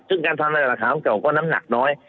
ซึ่งการทำลายหลักฐานเก่าก็น้ำหนักน้อย